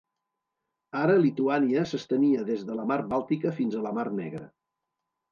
Ara Lituània s'estenia des de la Mar Bàltica fins a la Mar Negra.